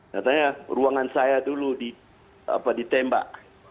katanya ruangan saya dulu ditembak